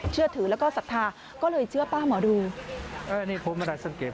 สองสามีภรรยาคู่นี้มีอาชีพ